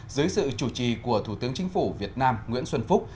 dưới sự chủ trì của thủ tướng chính phủ việt nam nguyễn xuân phúc